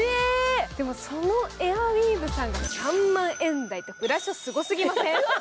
でも、そのエアウィーヴさんが３万円台ってブラショすごすぎません？